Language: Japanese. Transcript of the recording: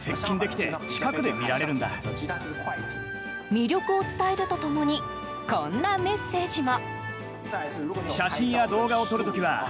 魅力を伝えると共にこんなメッセージも。